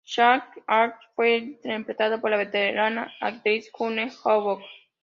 Sally Kansas fue interpretado por la veterana actriz June Havoc.